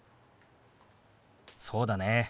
そうだね。